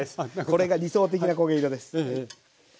これが理想的な焦げ色です。